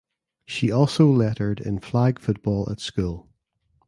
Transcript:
She also lettered in flag football at school.